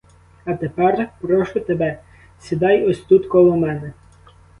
А тепер прошу тебе, сідай ось тут коло мене.